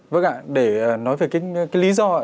vâng ạ để nói về cái lý do ạ